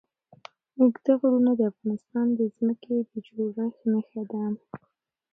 اوږده غرونه د افغانستان د ځمکې د جوړښت نښه ده.